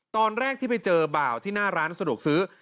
ตอนแรกที่ไปเจอบ่าวที่หน้าร้านสะดวกซื้อ